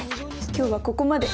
今日はここまで。